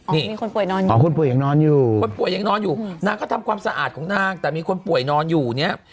นี่คุณป่วยยังนอนอยู่คุณป่วยยังนอนอยู่นางก็ทำความสะอาดของนางแต่มีคนป่วยนอนอยู่เนี่ย